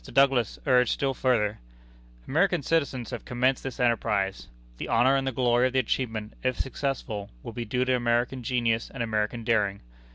Douglas urged still further: "American citizens have commenced this enterprise. The honor and the glory of the achievement, if successful, will be due to American genius and American daring.